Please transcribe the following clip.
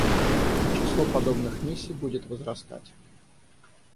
Число подобных миссий будет возрастать.